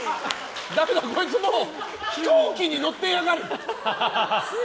ダメだ、こいつもう飛行機に乗っていやがる！